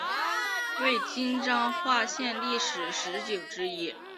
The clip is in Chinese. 为今彰化县历史十景之一。